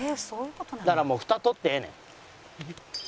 だからもう蓋取ってええねん。